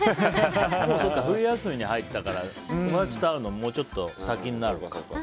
冬休みに入ったから友達と会うのもうちょっと先になるのか。